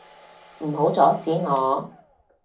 唔好阻止我！